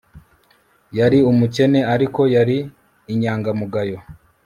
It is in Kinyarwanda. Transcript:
Yari umukene ariko yari inyangamugayo